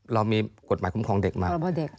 เรามีกฎหมายคุ้มครองเด็กมา